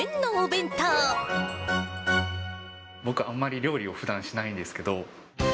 僕、あんまり料理をふだんしないんですけど。